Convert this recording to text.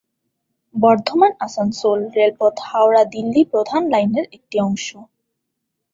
বর্ধমান-আসানসোল রেলপথ হাওড়া-দিল্লি প্রধান লাইনের একটি অংশ।